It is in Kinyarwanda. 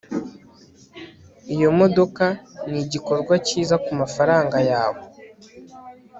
Iyo modoka nigikorwa cyiza kumafaranga yawe